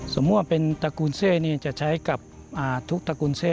สมมุติว่าเป็นตระกูลเซนี่จะใช้กับทุกตระกูลเซ่